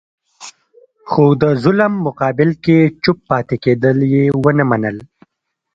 خو د ظلم مقابل کې چوپ پاتې کېدل یې ونه منل.